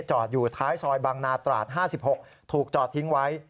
จอดอยู่ท้ายซอยบางนาตราด๕๖ถูกจอดทิ้งไว้